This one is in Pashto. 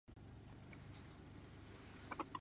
غازیان پر انګریزانو غالبېږي.